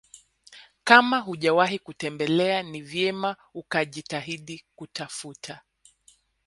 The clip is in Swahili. kama hujawahi kutembelea ni vyema ukajitahidi kutafuta